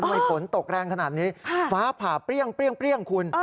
ฝนตกแรงขนาดนี้ฟ้าผ่าเปรี้ยงคุณ